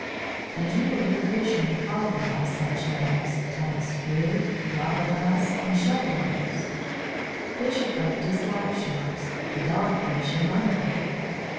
And you will hear fishermen call them by such names as "Rig," "Robin Huss," and "Shovel nose." Fisher folk dislike Sharks, the Dog fish among them.